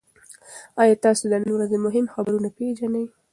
ایا تاسي د نن ورځې مهم خبرونه پېژنئ؟